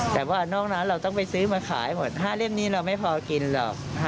แต่ว่านอกนั้นเราต้องไปซื้อมาขายหมด๕เล่มนี้เราไม่พอกินหรอก